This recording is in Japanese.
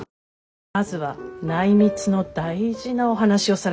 まずは内密の大事なお話をされているからね